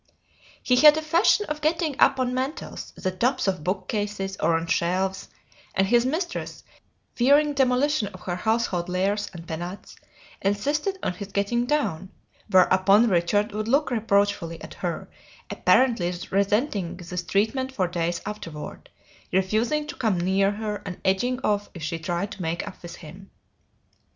He had a fashion of getting up on mantels, the tops of bookcases, or on shelves; and his mistress, fearing demolition of her household Lares and Penates, insisted on his getting down, whereupon Richard would look reproachfully at her, apparently resenting this treatment for days afterward, refusing to come near her and edging off if she tried to make up with him.